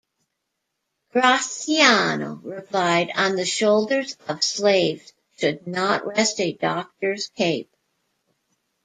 Graciano replied, On the shoulders of slaves should not rest a doctor's cape.